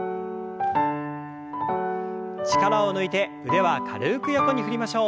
力を抜いて腕は軽く横に振りましょう。